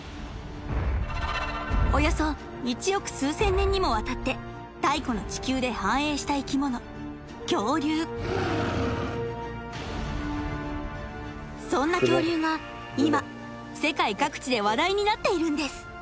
およそ１億数千年にもわたって太古の地球で繁栄した生きもの恐竜そんな恐竜が今世界各地で話題になっているんです